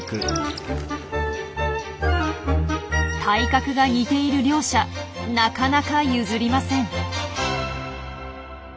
体格が似ている両者なかなか譲りません。